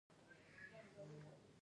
دریم په پوځ کې کار کول دي.